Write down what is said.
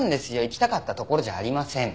行きたかったところじゃありません。